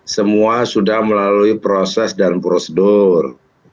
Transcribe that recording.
semua sudah melalui proses dan prosedur